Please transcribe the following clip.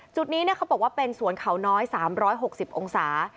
จุดนี้เขาบอกว่าเป็นสวนเขาน้อย๓๖๐องศา